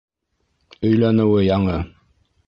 Өйләнеүе яңы.